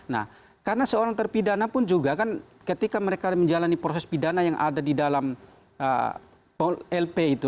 nah karena seorang terpidana pun juga kan ketika mereka menjalani proses pidana yang ada di dalam lp itu